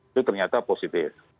itu ternyata positif